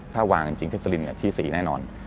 ถ้าวางจริงเท็กสลินที่๔แน่นอน